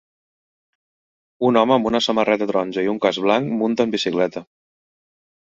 Un home amb una samarreta taronja i un casc blanc munta en bicicleta.